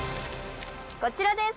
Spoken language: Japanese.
こちらです。